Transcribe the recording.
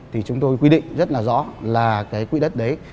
thì chúng tôi quy định rất là rõ là cái quỹ đất đấy